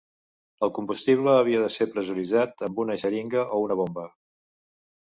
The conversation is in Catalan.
El combustible havia de ser pressuritzat amb una xeringa o una bomba.